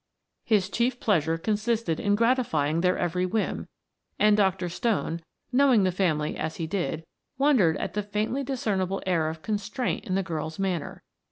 His chief pleasure consisted in gratifying their every whim, and Dr. Stone, knowing the family as he did, wondered at the faintly discernible air of constraint in the girl's manner.